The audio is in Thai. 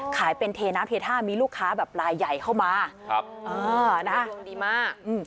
ขายเป็นเทน้ำเททามีลูกค้าแบบรายใหญ่เข้ามาครับเออนะดีมากอืม